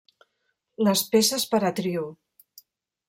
Les peces per a trio.